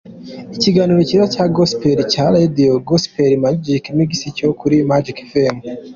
Ikiganiro cyiza cya Gospel cya Radio: Gospel Magic Mix cyo kuri Magic Fm.